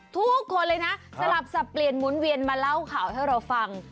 ทุกคนเลยนะสลับสับเปลี่ยนหมุนเวียนมาเล่าข่าวให้เราฟัง